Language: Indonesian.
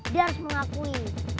dia harus mengakui